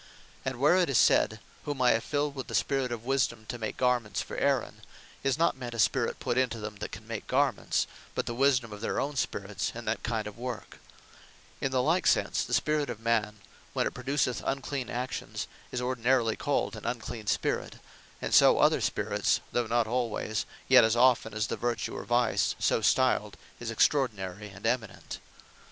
And where it is said (Exod. 28. 3.) "Whom I have filled with the Spirit of wisdome to make garments for Aaron," is not meant a spirit put into them, that can make garments; but the wisdome of their own spirits in that kind of work. In the like sense, the spirit of man, when it produceth unclean actions, is ordinarily called an unclean spirit; and so other spirits, though not alwayes, yet as often as the vertue or vice so stiled, is extraordinary, and Eminent.